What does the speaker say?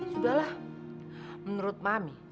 sudahlah menurut mami